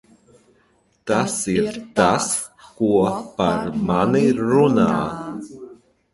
Tas ir tas, ko par mani runā?